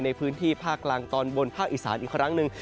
ในพื้นที่ภาคกลางตอนบนภาคอีสานอีกครั้งหนึ่ง